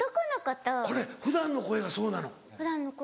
これ普段の声がそうなの？